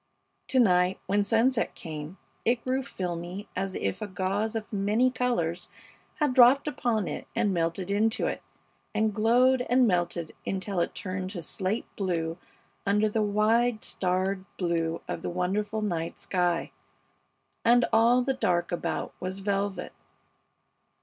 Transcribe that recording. To night, when sunset came, it grew filmy as if a gauze of many colors had dropped upon it and melted into it, and glowed and melted until it turned to slate blue under the wide, starred blue of the wonderful night sky, and all the dark about was velvet.